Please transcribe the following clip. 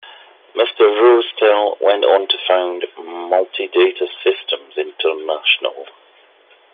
Mr. Roestel went on to found Multidata Systems International.